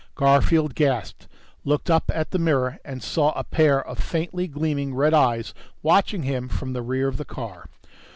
Garfield gasped, looked up at the mirror and saw a pair of faintly gleaming red eyes watching him from the rear of the car.